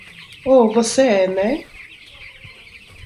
Oh, você é, né?